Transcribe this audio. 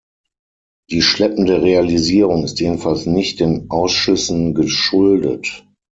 Die schleppende Realisierung ist jedenfalls nicht den Ausschüssen geschuldet.